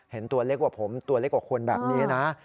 ตัวเล็กกว่าผมตัวเล็กกว่าคนแบบนี้นะ